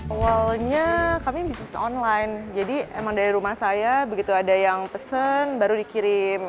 awalnya kami bisnis online jadi emang dari rumah saya begitu ada yang pesen baru dikirim